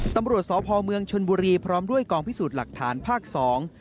ตำรวจสพเมืองชนบุรีพร้อมด้วยกองพิสูจน์หลักฐานภาคสอง